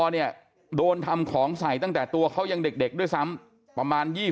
เนี่ยโดนทำของใส่ตั้งแต่ตัวเขายังเด็กด้วยซ้ำประมาณ